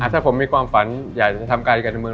ถ้าผมมีความฝันอยากจะทำการการเมือง